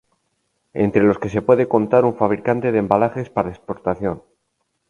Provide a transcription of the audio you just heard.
Entre los que se puede contar un fabricante de embalajes para exportación.